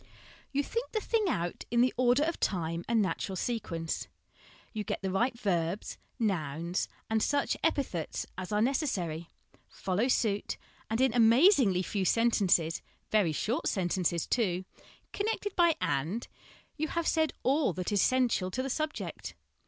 You think the thing out in the order of time and natural sequence ; you get the right verbs, nouns, and such epithets as are necessary, follow suit, and in amaz ingly few sentences, very short sentences too, con nected by ' and/ you have said all that is essential to the subject.